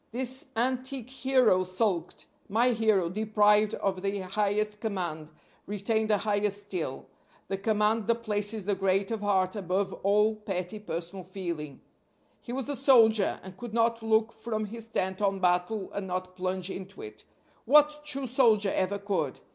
This antique hero sulked; my hero, deprived of the highest command, retained a higher still the command that places the great of heart above all petty personal feeling. He was a soldier, and could not look from his tent on battle and not plunge into it. What true soldier ever could?